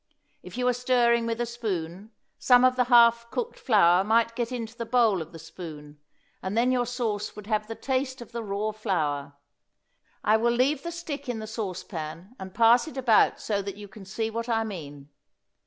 If you are stirring with a spoon, some of the half cooked flour might get in the bowl of the spoon, and then your sauce would have the taste of the raw flour. I will leave the stick in the sauce pan and pass it about so that you can see what I mean.